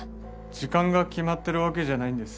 時間が決まってるわけじゃないんです。